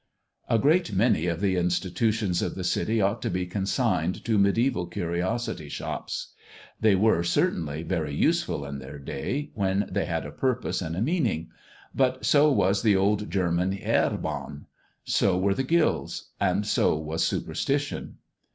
A great many of the institutions of the City ought to be consigned to mediæval curiosity shops. They were, certainly, very useful in their day, when they had a purpose and a meaning; but so was the old German "Heerbann;" so were the guilds; and so was superstition.